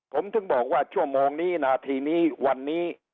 ผมถึงบอกว่าชั่วโมงนี้นาทีนี้วันนี้